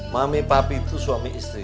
mami papi itu suami istri